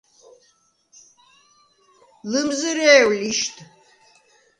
ლჷმზჷრე̄უ̂ ლიშდ!